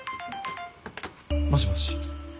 もしもし。